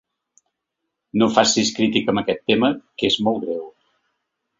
No facis crítica amb aquest tema, que és molt greu.